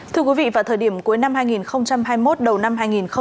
thưa quý vị vào thời điểm cuối năm hai nghìn hai mươi một đầu năm hai nghìn hai mươi